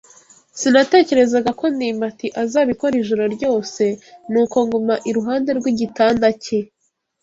Sinatekerezaga ko ndimbati azabikora ijoro ryose, nuko nguma iruhande rw'igitanda cye.